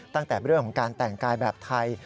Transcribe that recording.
ตั้งแต่เรื่องของการแต่งกายแบบไทย